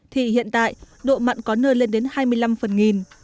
thì hiện tại độ mặn có nơi lên đến hai mươi năm phần nghìn